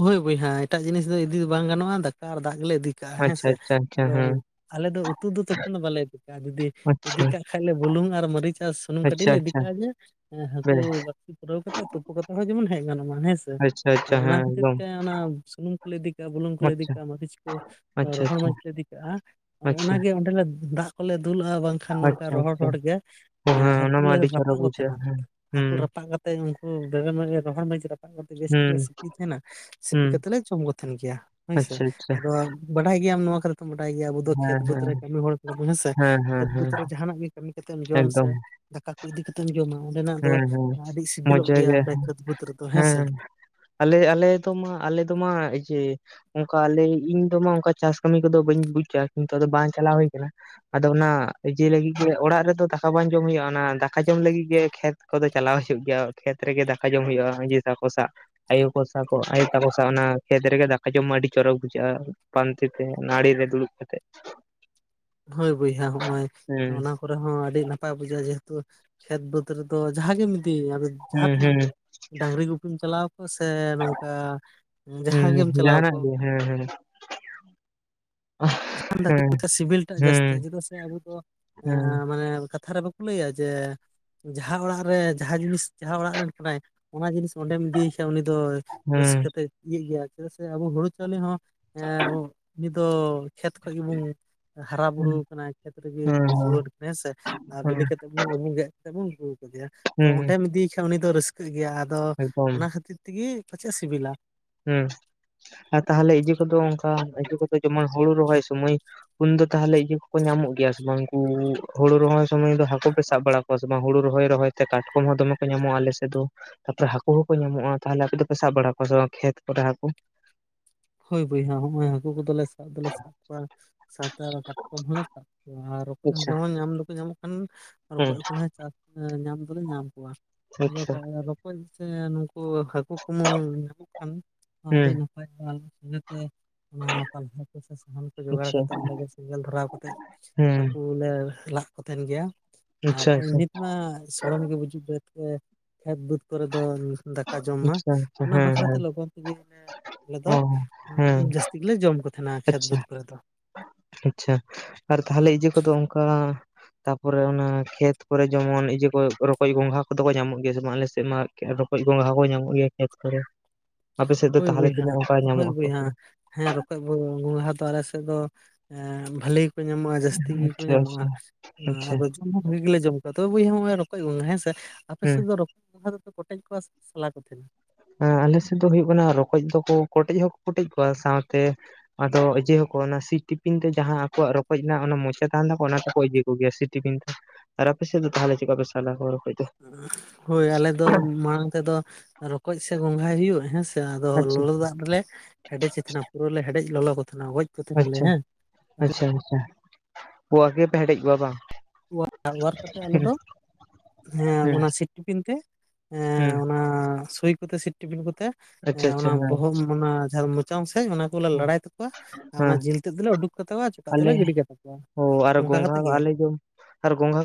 A: ᱦᱳᱭ ᱵᱳᱭᱦᱟ ᱮᱴᱟᱜ ᱡᱤᱱᱤᱥ ᱫᱚ ᱤᱫᱤ ᱫᱚ ᱵᱟᱝ ᱜᱟᱱᱚᱜᱼᱟ ᱫᱟᱠᱟ ᱟᱨ ᱫᱟᱜ ᱜᱮᱞᱮ ᱤᱫᱤ ᱠᱟᱜᱼᱟ, ᱦᱮᱸ ᱥᱮ?
B: ᱟᱪᱷᱟ
A: ᱟᱫᱚ
B: ᱦᱮᱸ᱾
A: ᱟᱞᱮ ᱫᱚ ᱩᱛᱩ ᱫᱚ ᱛᱚᱠᱷᱚᱱ ᱫᱚ ᱵᱟᱞᱮ ᱤᱫᱤ ᱠᱟᱜ-ᱟ ᱡᱩᱫᱤ....... ᱾ ᱤᱫᱤ
B: ᱟᱪᱪᱷᱟ
A: ᱠᱟᱜ ᱠᱷᱟᱡ ᱞᱮ ᱵᱩᱞᱩᱝ ᱟᱨ ᱢᱟᱹᱨᱤᱪ ᱟᱨ ᱥᱩᱱᱩᱢ ᱠᱟᱹᱴᱤᱡ
B: ᱟᱪᱪᱷᱟ
A: ᱞᱮ ᱤᱫᱤ
B: ᱟᱪᱪᱷᱟ
A: ᱠᱟᱜᱼᱟ ᱡᱮ......... ᱾ ᱦᱮᱸ ᱦᱟᱹᱠᱩ
B: ᱵᱮᱥ
A: ᱵᱟᱹᱲᱥᱤ ᱯᱩᱨᱟᱹᱣ ᱠᱟᱛᱮᱜ ᱛᱩᱯᱩ ᱠᱟᱛᱮᱜ ᱦᱚᱸ ᱡᱮᱢᱚᱱ ᱦᱮᱡ ᱜᱟᱱᱚᱜ ᱢᱟ, ᱦᱮᱸᱥᱮ?
B: ᱟᱪᱪᱷᱟ
A: ᱟᱫᱚ
B: ᱟᱪᱪᱷᱟ
A: ᱚᱱᱟ
B: ᱦᱮᱸ
A: ᱠᱷᱟᱹᱛᱤᱨ
B: ᱮᱠᱫᱚᱢ
A: ᱛᱮ ᱚᱱᱟ ᱥᱩᱱᱩᱢ....... ᱾ ᱠᱚᱞᱮ ᱤᱫᱤ ᱠᱟᱜᱼᱟ ᱵᱩᱞᱩᱝ ᱠᱚᱞᱮ ᱤᱫ
B: ᱟᱪᱪᱷᱟ
A: ᱠᱟᱜᱼᱟ ᱢᱟᱹᱨᱤᱪ ᱠᱚ,
B: ᱟᱪᱪᱷᱟ
A: ᱨᱚᱦᱚᱲ
B: ᱟᱪᱪᱷᱟ
A: ᱢᱟᱹᱨᱤᱪ ᱞᱮ ᱤᱫᱤ ᱠᱟᱜᱼᱟ᱾
B: ᱟᱪᱪᱷᱟ
A: ᱚᱱᱟᱜᱮ ᱚᱸᱰᱮᱞᱮ ᱫᱟᱜ ᱠᱚᱞᱮ ᱫᱩᱞᱟᱜᱼᱟ ᱵᱟᱝ ᱠᱷᱟᱱ.... ᱾ ᱠᱷᱟᱱ ᱱᱚᱝᱠᱟ
B: ᱟᱪᱪᱷᱟ ᱟᱪᱪᱷᱟ
A: ᱨᱚᱦᱚᱲ-ᱨᱚᱦᱚᱲ ᱜᱮ
B: ᱚ ᱦᱮᱸ
A: ᱦᱟᱹᱠᱩ
B: ᱚᱱᱟ ᱢᱟ
A: ᱞᱮ
B: ᱟᱹᱰᱤ ᱪᱚᱨᱚᱠ
A: ᱨᱟᱯᱟᱜ ᱠᱚ ᱛᱟᱦᱮᱱᱟ᱾
B: ᱵᱩᱡᱷᱟᱹᱜᱼᱟ ᱦᱮᱸ
A: ᱦᱟᱹᱠᱩ
B: ᱦᱩᱸ
A: ᱨᱟᱯᱟᱜ ᱠᱟᱛᱮ ᱩᱱᱠᱩ ᱵᱮᱨᱮᱞ ᱢᱟᱹᱨᱤᱪ ᱟᱨ ᱨᱚᱦᱚᱲ ᱢᱟᱹᱨᱤᱪ ᱨᱟᱯᱟᱜ ᱠᱟᱛᱮᱜ ᱵᱮᱥ ᱴᱷᱤᱠ ᱞᱮ
B: ᱦᱩᱸ
A: ᱥᱤ....... ᱾ ᱥᱤᱯᱤ ᱛᱟᱦᱮᱱᱟ ᱥᱤᱯᱤ
B: ᱦᱩᱸ
A: ᱠᱟᱛᱮᱜ ᱞᱮ ᱡᱚᱢ ᱠᱚ ᱛᱟᱦᱮᱱ ᱜᱮᱭᱟ, ᱦᱳᱭᱥᱮ
B: ᱟᱪᱪᱷᱟ ᱟᱪᱪᱷᱟ
A: ᱟᱫᱚ ᱵᱟᱰᱟᱭ ᱜᱮᱭᱟᱢ ᱱᱚᱣᱟ ᱠᱷᱹᱟᱛᱤᱨ...... ᱾ ᱛᱚᱢ ᱵᱟᱰᱟᱭ ᱜᱮᱭᱟ ᱟᱵᱚ ᱫᱚ ᱠᱷᱮᱛ-
B: ᱦᱮᱸ
A: ᱵᱟᱹᱫᱽ
B: ᱦᱮᱸ
A: ᱨᱮ ᱠᱟᱹᱢᱤ ᱦᱚᱲ ᱠᱟᱱᱟᱵᱚᱱ, ᱦᱮᱸ ᱥᱮ
B: ᱦᱮᱸ
A: ᱠᱷᱮᱛ-ᱵᱟᱹᱫᱽ
B: ᱦᱮᱸ
A: ᱨᱮ ᱡᱟᱦᱟᱱᱟᱜ ᱜᱮ........ ᱾ ᱠᱟᱹᱢᱤ ᱠᱟᱛᱮᱢ ᱡᱚᱢ ᱥᱮ
B: ᱮᱠᱫᱚᱢ
A: ᱫᱟᱠᱟ...... ᱾ ᱤᱫᱤ ᱠᱟᱛᱮᱢ ᱡᱚᱢᱟ, ᱚᱸᱰᱮᱱᱟᱜ ᱫᱚ
B: ᱦᱮᱸ ᱦᱮᱸ
A: ᱟᱹᱰᱤ
B: ᱢᱚᱡᱽ
A: ᱥᱤᱵᱤᱞᱚᱜ ᱜᱮᱭᱟ,
B: ᱡᱟᱭᱜᱟ
A: ᱚᱸᱰᱮ ᱠᱷᱮᱛ-ᱵᱟᱹᱫᱽ ᱨᱮᱫᱚ ᱦᱮᱸᱥᱮ?
B: ᱟᱞᱮ-ᱟᱞᱮ ᱫᱚ ᱢᱟ ᱟᱞᱮ ᱫᱚ ᱢᱟ ᱮ ᱡᱮ........ ᱾ ᱚᱱᱠᱟ ᱟᱞᱮ ᱤᱧ ᱫᱚᱢᱟ ᱚᱱᱠᱟ ᱪᱟᱥ ᱠᱟᱹᱢᱤ ᱠᱚᱫᱚ ᱵᱟᱹᱧ ᱵᱩᱡᱟ ᱠᱤᱱᱛᱩ ᱟᱫᱚ ᱵᱟᱝ ᱪᱟᱞᱟᱣ ᱦᱩᱭ ᱟᱠᱟᱱᱟ᱾ ᱟᱫᱚ ᱚᱱᱟ ᱤᱭᱟᱹ ᱞᱟᱹᱜᱤᱫ ᱜᱮ ᱚᱲᱟᱜ ᱨᱮᱫᱚ ᱫᱟᱠᱟ ᱵᱟᱝ ᱡᱚᱢ ᱦᱩᱭᱩᱜᱼᱟ ᱚᱱᱟ ᱫᱟᱠᱟ ᱡᱚᱢ ᱞᱟᱹᱜᱤᱫ ᱜᱮ........ ᱠᱷᱮᱛ ᱠᱚᱫᱚ ᱪᱟᱞᱟᱣ ᱦᱩᱭᱩᱜ ᱜᱮᱭᱟ ᱠᱷᱮᱛ ᱨᱮᱜᱮ ᱫᱟᱠᱟ ᱡᱚᱢ ᱦᱩᱭᱩᱜᱼᱟ ᱤᱭᱟᱹ ᱛᱟᱠᱚ ᱥᱟᱶ ᱾ ᱟᱭᱳ ᱠᱚ ᱥᱟᱶ ᱠᱚᱜᱼᱟ ᱟᱭᱳ ᱛᱟᱠᱚ ᱥᱟᱶ ᱚᱱᱟ ᱠᱷᱮᱛ ᱨᱮᱜᱮ ᱫᱟᱠᱟ ᱡᱚᱢ ᱢᱟ ᱟᱹᱰᱤ ᱪᱚᱨᱚᱠ ᱵᱩᱡᱷᱟᱹᱜᱼᱟ ᱾ ᱯᱟᱱᱛᱮ ᱛᱮ ᱚᱱᱟ ᱟᱹᱲᱤ ᱨᱮ ᱫᱩᱲᱩᱵ ᱠᱟᱛᱮᱜ..... ᱾
A: ᱦᱳᱭ ᱵᱚᱭᱦᱟ ᱦᱚᱸᱜᱼᱚᱭ
B: ᱦᱮᱸ
A: ᱚᱱᱟ........ ᱾ ᱠᱚᱨᱮ ᱦᱚᱸ ᱟᱹᱰᱤ ᱱᱟᱯᱟᱭ ᱵᱩᱡᱷᱟᱹᱜᱼᱟ ᱡᱮᱦᱮᱛᱩ ᱠᱷᱮᱛ -ᱵᱟᱹᱫᱽ ᱨᱮᱫᱚ ᱡᱟᱦᱟᱸ ᱜᱮᱢ ᱤᱫᱤ ᱟ..... ᱾ ᱡᱟᱦᱟᱸ
B: ᱦᱮᱸ
A: ᱛᱤᱥ
B: ᱦᱮᱸ
A: ᱜᱮ ᱰᱟᱝᱨᱤ ᱜᱩᱯᱤᱢ ᱪᱟᱞᱟᱣ ᱟᱠᱟᱱᱟ ᱥᱮ ᱱᱚᱝᱠᱟ ᱡᱟᱦᱟᱸ
B: ᱦᱮᱸ
A: ᱜᱮᱢ ᱪᱟᱞᱟᱣ
B: ᱡᱟᱦᱟᱱᱟᱜ
A: ᱠᱚ
B: ᱜᱮ ᱦᱮᱸ ᱦᱮᱸ ᱾ <inaudible>
A: <unintelligible> ᱞᱟᱹᱜᱤᱛ <unintelligible> ᱥᱤᱵᱤᱞ ᱴᱟᱜ
B: ᱦᱮᱸ
A: ᱡᱟᱹᱥᱛᱤᱜᱼᱟ, ᱪᱮᱫᱟᱜ ᱥᱮ ᱟᱵᱚ ᱫᱚ
B: ᱦᱩᱸ
A: ᱢᱟᱱᱮ ᱠᱟᱛᱷᱟ ᱨᱮ ᱞᱟᱹᱭᱟ ᱡᱮ ᱡᱟᱦᱟᱸ ᱚᱲᱟᱜ ᱨᱮ ᱡᱟᱦᱟᱸ ᱡᱤᱱᱤᱥ ᱡᱟᱦᱟᱸ ᱚᱲᱟᱜ ᱨᱮᱱ ᱠᱟᱱᱟᱭ ᱚᱱᱟ ᱡᱤᱱᱤᱥ ᱚᱸᱰᱮᱢ ᱤᱫᱤᱭᱮ ᱠᱷᱟᱡ ᱩᱱᱤ ᱫᱚ ᱨᱟᱹᱥᱠᱟᱹ
B: ᱦᱩᱸ
A: ᱛᱮᱭ ᱤᱭᱟᱹᱜ ᱜᱮᱭᱟ ᱪᱮᱫᱟᱜ ᱥᱮ ᱟᱵᱚ ᱦᱩᱲᱩ ᱪᱟᱣᱞᱮ ᱦᱚᱸ ᱦᱮᱸ ᱦᱩᱸ ᱩᱱᱤᱫᱚ ᱠᱷᱮᱛ ᱠᱷᱚᱡ ᱜᱮᱵᱚᱱ ᱦᱟᱨᱟ ᱵᱩᱨᱩ
B: ᱦᱩᱸ
A: ᱟᱠᱟᱱᱟ ᱠᱷᱮᱛ ᱨᱮᱜᱮᱭ
B: ᱦᱩᱸ
A: ᱡᱩᱣᱟᱹᱲ ᱟᱠᱟᱱᱟ, ᱦᱮᱸᱥᱮ, ᱟᱨ
B: ᱦᱩᱸ
A: ᱵᱤᱞᱤ ᱠᱟᱛᱮ ᱟᱵᱩ ᱜᱮᱫ ᱠᱟᱛᱮ ᱵᱚᱱ ᱟᱹᱜᱩ ᱟᱠᱟᱫᱮᱭᱟ ᱛᱚ
B: ᱦᱩᱸ
A: ᱚᱸᱰᱮᱢ ᱤᱫᱤᱭᱮ ᱠᱷᱟᱡ ᱩᱱᱤ ᱫᱚᱭ ᱨᱟᱹᱥᱠᱟᱹᱜ ᱜᱮᱭᱟ ᱟᱫᱚ
B: ᱮᱠᱫᱚᱢ
A: ᱚᱱᱟ ᱠᱷᱟᱹᱛᱤᱨ ᱛᱮ ᱛᱩᱜᱤ ᱯᱟᱪᱷᱮᱫ ᱮ ᱥᱤᱵᱤᱞᱟ
B: ᱦᱩᱸ ᱟᱨ ᱛᱟᱦᱞᱮ ᱤᱡᱟᱹ ᱠᱚᱫᱚ ᱚᱱᱠᱟ <unintelligible> ᱠᱚᱫᱚ ᱡᱮᱢᱚᱱ ᱦᱩᱲᱩ ᱨᱚᱦᱚᱭ ᱥᱚᱢᱚᱭ ᱩᱱ ᱫᱚ ᱛᱟᱦᱞᱮ ᱤᱭᱟᱹ ᱠᱚᱠᱚ ᱧᱟᱢᱚᱜ ᱜᱮᱭᱟ ᱥᱮ ᱵᱟᱝ? ᱩᱱᱠᱩ ᱦᱩᱲᱩ ᱨᱚᱦᱚᱭ ᱥᱚᱢᱚᱭ ᱫᱚ ᱦᱟᱹᱠᱩ ᱯᱮ ᱥᱟᱵ ᱵᱟᱲᱟ <unintelligible> ᱦᱩᱲᱩ ᱨᱚᱦᱚᱭ ᱨᱚᱦᱚᱭ ᱛᱮ ᱠᱟᱴᱠᱚᱢ ᱦᱚᱸ ᱫᱚᱢᱮ ᱠᱚ ᱧᱟᱢᱚᱜᱼᱟ ᱟᱞᱮ ᱥᱮᱫ ᱫᱚ ᱾ <unintelligible> ᱦᱟᱹᱠᱩ ᱦᱚᱸᱠᱚ ᱧᱟᱢᱚᱜᱼᱟ ᱛᱟᱦᱚᱞᱮ ᱟᱯᱮ ᱫᱚᱯᱮ ᱥᱟᱵ ᱵᱟᱲᱟ ᱠᱚᱣᱟ ᱥᱮ ᱵᱟᱝ ᱠᱷᱮᱛ ᱠᱚᱨᱮ ᱦᱟᱹᱠᱩ
A: ᱦᱳᱭ ᱵᱚᱭᱦᱟ, ᱦᱚᱸᱜᱚᱭ ᱦᱟᱹᱠᱩ ᱠᱚᱫᱚᱞᱮ ᱥᱟᱵ ᱫᱚᱞᱮ ᱥᱟᱵ ᱠᱚᱣᱟ ᱥᱟᱶᱛᱮ ᱟᱨᱦᱚᱸ ᱠᱟᱴᱠᱚᱢ ᱦᱚᱸᱞᱮ ᱥᱟᱵ ᱠᱚᱣᱟ ᱟᱨ ᱨᱚᱠᱚᱡ ᱦᱚᱸ
B: ᱟᱪᱪᱷᱟ
A: ᱵᱚᱨᱚᱝ ᱧᱟᱢ ᱫᱚᱠᱚ ᱧᱟᱢᱚᱜ ᱠᱷᱟᱱ
B: ᱦᱩᱸ
A: ᱨᱚᱠᱚᱡ ᱠᱚᱞᱮ ᱪᱟᱥ ᱮ ᱧᱟᱢ ᱫᱚᱞᱮ ᱧᱟᱢ ᱠᱚᱣᱟ᱾ ᱟᱫᱚ
B: ᱟᱪᱪᱷᱟ
A: <unintelligible> ᱨᱚᱠᱚᱡ ᱥᱮ ᱱᱩᱠᱩ ᱦᱟᱹᱠ ᱠᱩᱠᱢᱩ ᱧᱟᱢᱚᱜ ᱠᱷᱟᱱ ᱟᱰᱤ
B: ᱦᱩᱸ
A: ᱱᱟᱯᱟᱭ ᱛᱟᱦᱚᱞᱮ ᱤᱱᱟᱹ ᱛᱮ ᱚᱱᱟ ᱯᱟᱞᱦᱟ ᱠᱚ ᱥᱮ ᱥᱟᱦᱟᱱ ᱠᱚ ᱡᱚᱜᱟᱲ
B: ᱟᱪᱪᱷᱟ
A: ᱠᱟᱛᱮᱜ ᱚᱸᱰᱮ ᱜᱮ ᱥᱮᱸᱜᱮᱞ ᱫᱷᱚᱨᱟᱣ ᱠᱟᱛᱮᱜ
B: ᱦᱩᱸ
A: ᱦᱟᱠᱩ ᱞᱮ ᱞᱟᱫ ᱠᱚ ᱛᱮᱦᱮᱱ ᱜᱮᱭᱟ
B: ᱟᱪᱪᱷᱟ
A: ᱟᱨ
B: ᱟᱪᱪᱷᱟ
A: ᱮᱢᱱᱤ ᱛᱮᱢᱟ ᱥᱚᱲᱚᱢ ᱜᱮ ᱵᱩᱡᱩᱜ ᱛᱮ ᱦᱚᱛᱮ ᱠᱷᱮᱛ ᱵᱟᱹᱫᱽ ᱠᱚᱨᱮ ᱫᱚ ᱫᱟᱠᱟ ᱡᱚᱢ ᱢᱟ
B: ᱟᱪᱪᱷᱟ ᱟᱪᱪᱷᱟ
A: ᱚᱱᱟ
B: ᱦᱮᱸ
A: ᱵᱟᱠᱷᱨᱟ ᱛᱮ
B: ᱦᱮᱸ
A: ᱞᱚᱜᱚᱱ ᱛᱮᱜᱮ ᱞᱮ‌ ᱟᱞᱮ ᱫᱚ
B: ᱚ ᱦᱮᱸ
A: ᱡᱟᱹᱥᱛᱤ ᱜᱮᱞᱮ ᱡᱚᱢ ᱠᱚ ᱛᱟᱦᱮᱱᱟ ᱠᱷᱮᱛ
B: ᱟᱪᱪᱷᱟ
A: ᱵᱟᱹᱫᱽ ᱠᱚᱨᱮ ᱫᱚ᱾
B: ᱟᱪᱪᱷᱟ ᱟᱨ ᱛᱟᱦᱚᱞᱮ ᱤᱡᱟᱹ ᱠᱚᱫᱚ ᱚᱱᱠᱟ ᱛᱟᱯᱚᱨᱮ ᱚᱱᱟ ᱠᱷᱮᱛ ᱠᱚᱨᱮ ᱡᱮᱢᱚᱱ ᱤᱭᱟᱹ ᱠᱚ ᱨᱚᱠᱚᱡ ᱜᱚᱝᱜᱷᱟ ᱠᱚᱫᱚ ᱠᱚ ᱧᱟᱢᱚᱜ ᱜᱮᱭᱟ ᱥᱮ ᱵᱟᱝ ᱟᱞᱮ ᱥᱮᱫ ᱢᱟ ᱮᱠᱮᱱ ᱨᱚ ᱨᱚᱠᱚᱡ ᱜᱚᱝᱜᱷᱟ ᱠᱚ ᱧᱟᱢᱚᱜ ᱜᱮᱭᱟ ᱠᱷᱮᱛ ᱠᱚᱨᱮ ᱟᱯᱮ ᱥᱮᱫ ᱫᱚ
A: ᱦᱳᱭ
B: ᱛᱟᱦᱚᱞᱮ
A: ᱵᱚᱭᱦᱟ
B: ᱛᱤᱱᱟᱹᱜ ᱚᱱᱠᱟ
A: ᱦᱳᱭ
B: ᱧᱟᱢᱚᱜ-ᱟ ᱠᱚ ᱥᱮ
A: ᱵᱚᱭᱦᱟ
B: ᱵᱟᱝ
A: ᱦᱮᱸ ᱨᱚᱠᱚᱡ ᱵᱚ ᱜᱚᱝᱜᱷᱟ ᱫᱚ ᱟᱞᱮ ᱥᱮᱜ ᱫᱚ ᱮᱸ ᱵᱷᱟᱞᱤ ᱧᱟᱢᱚᱜ-ᱟ ᱡᱟᱹᱥᱛᱤ ᱜᱤᱠᱚ
B: ᱟᱪᱪᱷᱟ
A: ᱧᱟᱢᱚᱜ-ᱟ
B: ᱟᱪᱪᱷᱟ ᱟᱪᱪᱷᱟ
A: ᱟᱫᱚ ᱡᱚᱢ ‌ᱦᱚᱸ ᱵᱷᱟᱜᱤ ᱜᱮᱞᱮ ᱡᱚᱢ ᱠᱚᱣᱟ ᱛᱚᱵᱮ ᱵᱚᱭᱦᱟ ᱦᱚᱸᱜ-ᱚᱭ ᱨᱚᱠᱚᱡ ᱜᱚᱝᱜᱷᱟ ᱦᱮᱸ ᱥᱮ ᱟᱯᱮ
B: ᱦᱮᱸ
A: ᱥᱮᱫ ᱫᱚ <unintelligible> ᱜᱚᱝᱜᱽᱦᱟ ᱫᱚ ᱯᱮ ᱠᱚᱴᱮᱡ ᱠᱚᱣᱟ ᱥᱮ ᱥᱟᱞᱟ ᱠᱚ ᱛᱮᱦᱮᱱᱟ
B: ᱦᱮᱸ ᱟᱞᱮ ᱥᱮᱫ ᱫᱚ ᱦᱩᱭᱩᱜ ᱠᱟᱱᱟ ᱨᱚᱠᱚᱡ ᱫᱚᱠᱚ ᱠᱚᱴᱮᱡ ᱦᱚᱸᱠᱚ ᱠᱚᱴᱮᱡ ᱠᱚᱣᱟ ᱥᱟᱶᱛᱮ ᱟᱫᱚ ᱤᱡᱟᱹ ᱦᱚᱸᱠᱚ ᱚᱱᱟ ᱥᱤᱴᱽᱴᱤᱯᱤᱱ ᱛᱮ ᱡᱟᱦᱟᱸ ᱟᱠᱚᱣᱟᱜ ᱨᱚᱠᱚᱡ ᱨᱮᱱᱟᱜ ᱢᱚᱪᱟ ᱛᱟᱦᱮᱱ ᱛᱟᱠᱚᱣᱟ ᱚᱱᱟ ᱛᱮᱠᱚ ᱤᱡᱟᱹ ᱠᱚ ᱜᱮᱭᱟ <unintelligible> ᱴᱤᱯᱤᱱ ᱛᱮ ᱟᱨ ᱟᱯᱮ ᱥᱮᱫ ᱫᱚ ᱛᱟᱦᱚᱞᱮ ᱪᱮᱫᱠᱟ ᱯᱮ ᱥᱟᱞᱟ ᱠᱚᱣᱟ ᱨᱚᱠᱚᱡ ᱫᱚ
A: ᱦᱳᱭ ᱟᱞᱮ ᱫᱚ ᱢᱟᱲᱟᱝ ᱛᱮᱫᱚ ᱨᱚᱠᱚᱡ ᱥᱮ ᱜᱚᱸᱜᱷᱟᱭ ᱦᱩᱭᱩᱜᱼᱟ ᱦᱮᱸ ᱥᱮ ᱟᱫᱚ
B: ᱟᱪᱪᱷᱟ
A: ᱞᱚᱞᱚ ᱫᱟᱜ ᱨᱮᱞᱮ ᱦᱮᱰᱮᱪᱮᱫ ᱛᱮᱦᱮᱱᱟ ᱯᱩᱨᱟᱹ ᱞᱮ ᱦᱮᱰᱮᱡ ᱞᱚᱞᱚ ᱠᱚ ᱛᱮᱦᱮᱱᱟ ᱜᱚᱡ ᱠᱚ ᱛᱟᱦᱮᱱᱟᱞᱮ
B: ᱟᱪᱪᱷᱟ
A: ᱦᱮᱸ
B: ᱟᱪᱪᱷᱟ ᱟᱪᱪᱷᱟ <unintelligible> ᱯᱮ ᱦᱮᱰᱮᱡ ᱠᱚᱣᱟ ᱵᱟᱝ?
A: ᱚᱣᱟᱨ ᱚᱣᱟᱨ ᱠᱟᱛᱮᱜ ᱟᱞᱮ
B: ᱦᱩᱸ
A: ᱫᱚ ᱦᱮᱸ
B: ᱦᱩᱸ
A: ᱚᱱᱟ ᱥᱤᱴᱽᱴᱤᱯᱤᱱ ᱛᱮ ᱮᱸ
B: ᱦᱩᱸ
A: ᱚᱱᱟ ᱥᱩᱭ ᱠᱚᱛᱮ ᱥᱤᱴᱽᱴᱤᱯᱤᱱ ᱠᱚᱛᱮ
B: ᱟᱪᱪᱷᱟ
A: ᱮᱸ
B: ᱟᱪᱪᱷᱟ
A: ᱚᱱᱟ
B: ᱦᱮᱸ
A: ᱵᱚᱦᱚᱜ ᱚᱱᱟ ᱡᱟᱦᱟᱸ <unintelligible> ᱪᱚᱝ ᱥᱮᱡ ᱚᱱᱟ ᱠᱚᱞᱮ ᱞᱟᱲᱟᱭ ᱛᱟᱠᱚᱣᱟ ᱟᱨ ᱚᱱᱟ
B: ᱦᱮᱸ
A: ᱡᱤᱞ ᱛᱮᱫ ᱫᱚᱞᱮ ᱩᱰᱩᱠ ᱠᱟᱛᱟᱣᱟ ᱟᱨ ᱪᱚᱠᱟᱜ ᱫᱮᱞᱮ ᱜᱤᱰᱤ ᱠᱟᱛᱟ ᱠᱚᱣᱟ᱾
B: ᱳ ᱟᱨ
A: ᱚᱱᱠᱟ
B: ᱜᱚᱝᱜᱷᱟ
A: ᱠᱟᱛᱮᱫ
B: ᱠᱚ
A: ᱜᱮ
B: ᱟᱞᱮ ᱡᱚᱢ ᱟᱨ ᱜᱚᱝᱜᱷᱟ